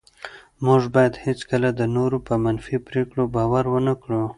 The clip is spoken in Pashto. موږ باید هېڅکله د نورو په منفي پرېکړو باور ونه کړو.